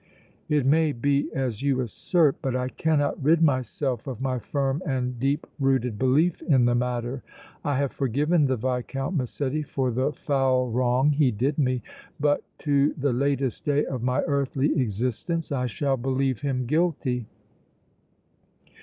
"It may be as you assert, but I cannot rid myself of my firm and deep rooted belief in the matter. I have forgiven the Viscount Massetti for the foul wrong he did me, but to the latest day of my earthly existence I shall believe him guilty!"